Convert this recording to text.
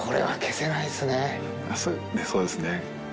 そうですね。